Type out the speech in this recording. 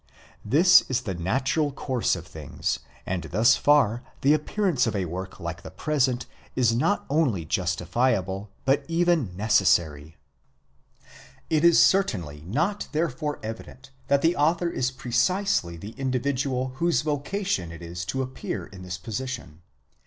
This is the natural course οὗ, things, and thus far the appearance of a work like the present is not only justifiable, but even necessary. καίε XXX PREFACE TO THE FIRST GERMAN EDITION. It is certainly not therefore evident that the author is precisely the indi vidual whose vocation it is to appear in this position.